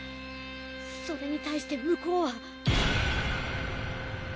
それに対して向こうは。